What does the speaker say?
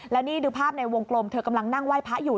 แล้วนี่ดูภาพในวงกลมเธอกำลังนั่งไหว้พระอยู่